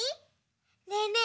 ねえねえ